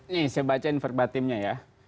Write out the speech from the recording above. ini saya baca inforbatimnya ya